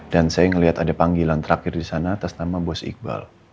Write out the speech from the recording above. dan saya ngeliat ada panggilan terakhir di sana atas nama bos iqbal